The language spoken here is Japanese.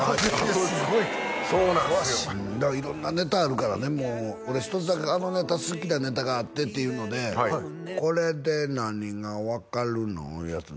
すごいそうなんすよだから色んなネタあるからねもう俺１つだけあのネタ好きなネタがあってっていうので「これで何が分かるの？」いうやつね